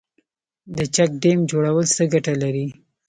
د چک ډیم جوړول څه ګټه لري؟